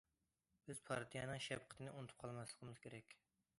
بىز پارتىيەنىڭ شەپقىتىنى ئۇنتۇپ قالماسلىقىمىز كېرەك.